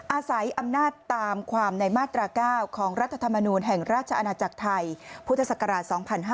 อาศัยอำนาจตามความในมาตรา๙ของรัฐธรรมนูลแห่งราชอาณาจักรไทยพุทธศักราช๒๕๕๙